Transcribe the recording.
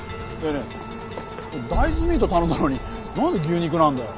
ねえ大豆ミートを頼んだのになんで牛肉なんだよ。